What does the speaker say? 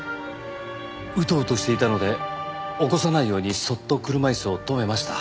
うとうとしていたので起こさないようにそっと車椅子を止めました。